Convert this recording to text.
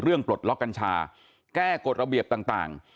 ปลดล็อกกัญชาแก้กฎระเบียบต่าง